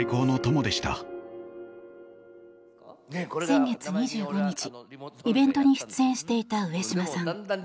先月２５日、イベントに出演していた上島さん。